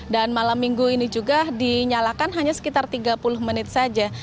dan malam minggu ini juga dinyalakan hanya sekitar tiga puluh menit saja